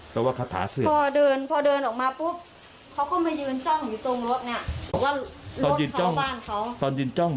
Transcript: เจ้ากับเหตุการณ์เยอะแง่